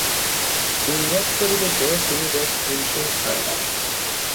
ইংরেজ পরিবেশে তিনি বেশ হিমশিম খান।